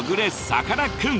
さかなクン！